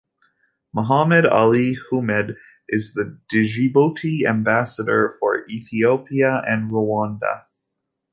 Mohamed Ali Houmed is the Djibouti Ambassador for Ethiopia and Rwanda.